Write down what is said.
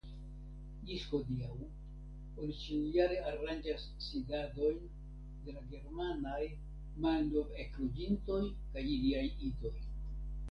Ĝis hodiaŭ oni ĉiujare aranĝas sidadojn de la germanaj malnovekloĝintoj kaj iliaj idoj.